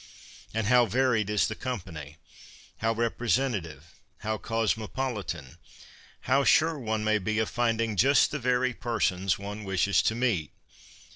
And how varied is the company, how representative, how cosmopolitan, how sure one may be of find ing just the very persons one wishes to meet